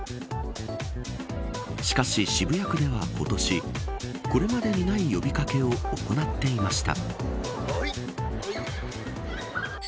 しかし、渋谷区では今年これまでにない呼び掛けを行っていました。